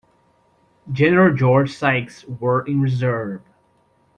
General George Sykes were in reserve.